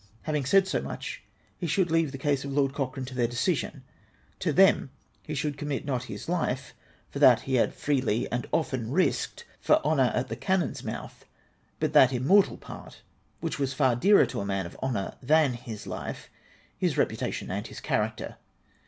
Having said so much, he should leave the case of Lord Cochrane to their decision ; to them he should commit not his life, for that he had freely and often risked for honour at the cannon's mouth, but that immortal part, which was far dearer to a man of honour than his life, his reputation and his character.